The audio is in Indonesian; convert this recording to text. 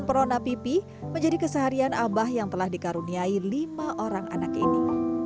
perona pipi menjadi keseharian abah yang telah dikaruniai lima orang anak ini